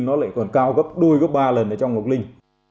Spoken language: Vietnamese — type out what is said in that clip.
nó lại còn cao gấp đôi gấp ba lần ở trong ngọc linh